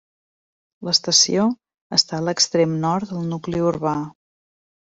L'estació està a l'extrem nord del nucli urbà.